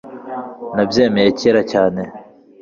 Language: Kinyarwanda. nabyemeye kera cyane